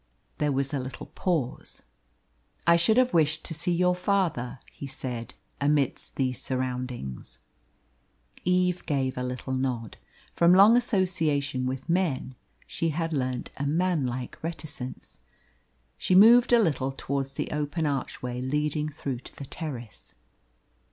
There was a little pause. "I should have wished to see your father," he said, "amidst these surroundings." Eve gave a little nod. From long association with men she had learnt a manlike reticence. She moved a little towards the open archway leading through to the terrace.